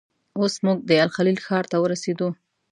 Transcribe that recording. اوس موږ د الخلیل ښار ته ورسېدو.